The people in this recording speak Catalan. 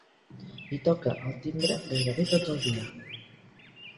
Hi toca el timbre gairebé tot el dia.